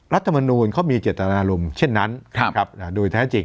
รัฐมนูลเขามีเจตนารมณ์เช่นนั้นโดยแท้จริง